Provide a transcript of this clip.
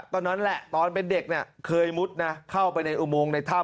ตอนนั้นแหละตอนเป็นเด็กเนี่ยเคยมุดนะเข้าไปในอุโมงในถ้ำ